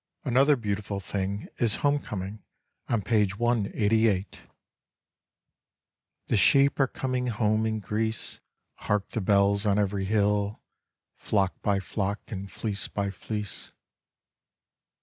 Another beautiful thing is " Homecoming " on page 188. " The sheep are coming home in Greece, Hark the bells on every hill, Flock by flock and fleece by fleece."